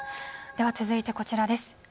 では続いてこちらです。